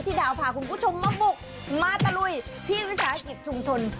ดาวพาคุณผู้ชมมาบุกมาตะลุยที่วิสาหกิจชุมชน